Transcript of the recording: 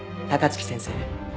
高槻先生。